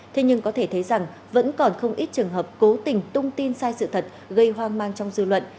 thế nhưng có thể thấy rằng vẫn còn không ít trường hợp cố tình tung tin sai sự thật gây hoang mang trong dư luận